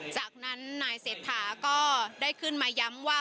จากนั้นนายเศรษฐาก็ได้ขึ้นมาย้ำว่า